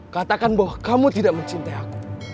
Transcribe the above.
katakan bahwa kamu tidak mencintai aku